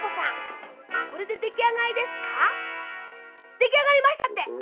できあがりましたって！